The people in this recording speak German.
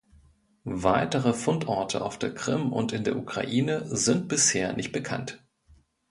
Weitere Fundorte auf der Krim und in der Ukraine sind bisher nicht bekannt.